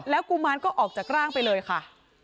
กุมารก็ออกจากร่างไปเลยค่ะ